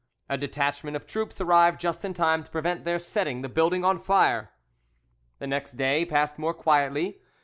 A detachment of troops arrived just in time to prevent their setting the building on fire. The next day passed more quietly.